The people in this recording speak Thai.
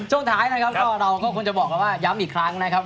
เอ้าแล้วครับสัปดาห์เราก็ควรจะบอกว่าย้ำอีกครั้งนะครับ